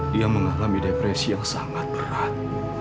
dia mengalami depresi yang sangat berat